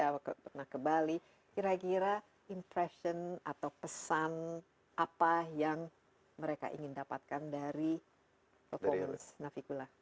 pernah ke bali kira kira impression atau pesan apa yang mereka ingin dapatkan dari pengurus nafikullah